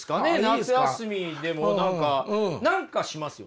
夏休みでも何か何かしますよね。